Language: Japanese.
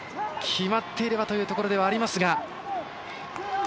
決まっていればというところでもあります。